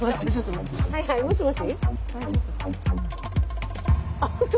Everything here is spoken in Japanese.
はいはいもしもし？